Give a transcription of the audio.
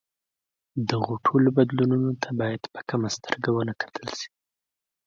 دغو ټولو بدلونونو ته باید په کمه سترګه ونه کتل شي.